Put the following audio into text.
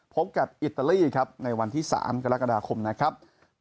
พบกับอิตาลีครับในวันที่๓กรกฎาคมนะครับ